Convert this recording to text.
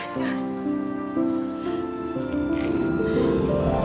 saya tidak terima